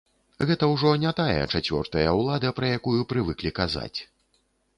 Гэта ўжо не тая чацвёртая ўлада, пра якую прывыклі казаць.